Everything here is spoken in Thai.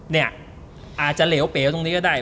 เนี่ยอาจจะเหลวเปลวตรงนี้ก็ได้